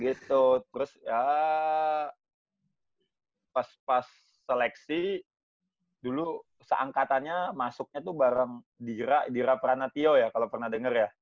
gitu terus ya pas seleksi dulu seangkatannya masuknya tuh bareng dira dira pranathio ya kalo pernah denger ya